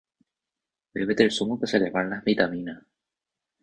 Bébete el zumo que se le van las vitaminas.